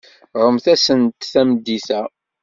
Ɣremt-asent tameddit-a.